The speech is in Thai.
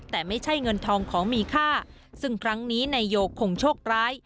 แต่ไม่ใช่เงินทองของมีค่าซึ่งครั้งนี้นายโยคงโชคร้าย